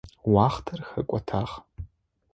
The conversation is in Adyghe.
Уахътэр хэкӏотагъ.